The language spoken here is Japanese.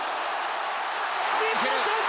日本チャンス！